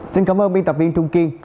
xin cảm ơn biên tập viên trung kiên